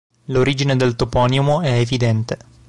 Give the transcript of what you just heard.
L'origine del toponimo è evidente.